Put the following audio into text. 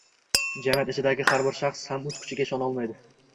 Jamiyat ichidagi har bir shaxs ham o‘z kuchiga ishona boshlaydi